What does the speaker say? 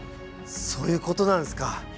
そういうことなんですか。